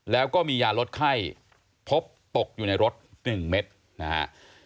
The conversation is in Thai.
แล้วก็มียาลดไข้พบตกอยู่ในรถ๑เม็ดนะฮะ